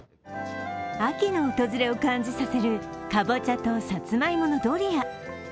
秋の訪れを感じさせるかぼちゃとさつまいものドリア。